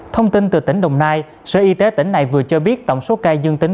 thông tin từ tỉnh đồng nai sở y tế tỉnh này vừa cho biết tổng số ca dương tính